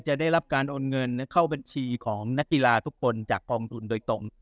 ได้รับการโอนเงินเข้าบัญชีของนักกีฬาทุกคนจากกองทุนโดยตรง